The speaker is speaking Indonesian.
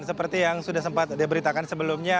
seperti yang sudah sempat diberitakan sebelumnya